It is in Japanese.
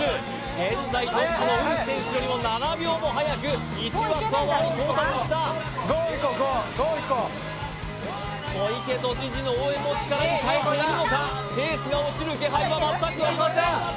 現在トップのウルフ選手よりも７秒もはやく１Ｗｈに到達した５いこう５５いこう小池都知事の応援も力に変えているのかペースが落ちる気配は全くありません